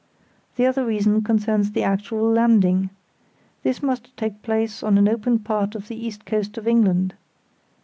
The other reason concerns the actual landing. This must take place on an open part of the east coast of England.